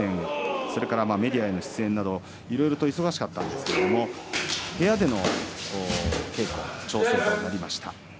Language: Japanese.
それからメディアへの出演と忙しかったんですけれども部屋での稽古、調整もありました。